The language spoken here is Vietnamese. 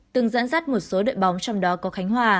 từng dẫn dắt một số đội bóng trong đó có khánh hòa